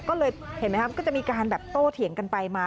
ก็เลยเห็นไหมครับก็จะมีการแบบโตเถียงกันไปมา